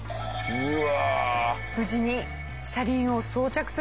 うわ！